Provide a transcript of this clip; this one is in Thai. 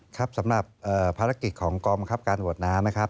ครับสำหรับภารกิจของกองบังคับการหวดน้ำนะครับ